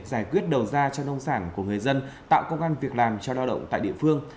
giải quyết đầu ra cho nông sản của người dân tạo công an việc làm cho lao động tại địa phương